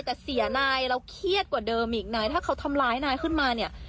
แต่เสียนายแล้วเครียดกว่าเดิมอีกนายถ้าเขาทำร้ายนายขึ้นมาเนี่ย